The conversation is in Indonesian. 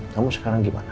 kamu sekarang gimana